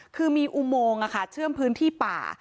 คือมีอุโมงโวสนะคะเชื่อมพื้นที่ป่า